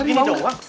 ini dia doang